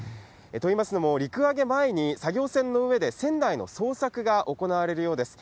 といいますのも、陸揚げ前に作業船の上で船内の捜索が行われるようです。